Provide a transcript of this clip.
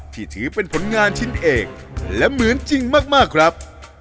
ที่ถือเป็นผลงานชิ้นเอกและเหมือนจริงมากครับ